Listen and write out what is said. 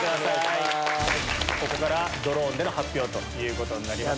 ここからドローンでの発表ということになります。